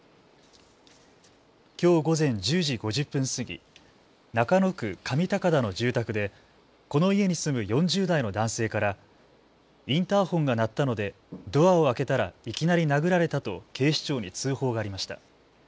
きょう午前１０時５０分過ぎ中野区上高田の住宅でこの家に住む４０代の男性からインターホンが鳴ったのでドアを開けたらいきなり殴られたと警視庁に通報がありました。